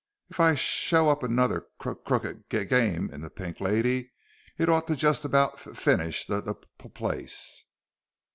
If I show up another c crooked g game in the Pink Lady, it ought to just about f finish the p place."